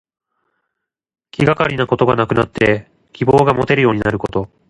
気がかりなことがなくなって希望がもてるようになること。